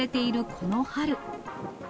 この春。